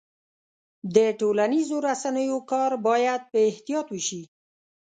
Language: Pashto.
د ټولنیزو رسنیو کار باید په احتیاط وشي.